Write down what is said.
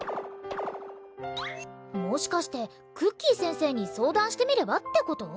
もしかしてクッキー先生に相談してみればって事？